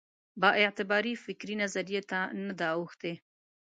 بااعتبارې فکري نظریې ته نه ده اوښتې.